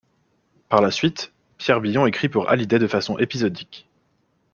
Par la suite, Pierre Billon écrit pour Hallyday de façon épisodique.